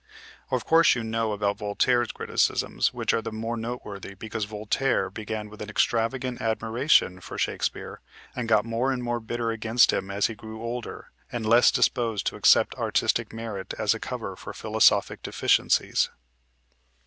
Of course you know about Voltaire's criticisms, which are the more noteworthy because Voltaire began with an extravagant admiration for Shakespeare, and got more and more bitter against him as he grew older and less disposed to accept artistic merit as a cover for philosophic deficiencies.